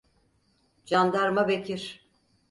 Candarma Bekir.